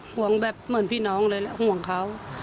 ห่วงแบบเหมือนพี่น้องเลยแหละห่วงเขา